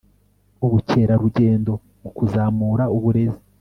ubukerarugendo mukuzamura uburezi